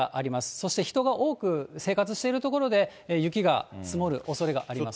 そして人が多く生活している所で雪が積もるおそれがあります。